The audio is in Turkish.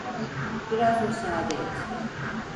Biraz müsaade et.